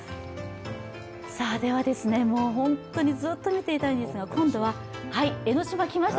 ではずっと見ていたいんですが、今度は江の島、来ました。